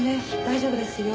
大丈夫ですよ。